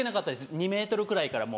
２ｍくらいからもう。